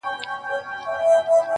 نن بيا د هغې نامه په جار نارې وهلې چي,